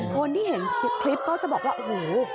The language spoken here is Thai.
คนที่เห็นคลิปก็จะบอกว่าโอ้โห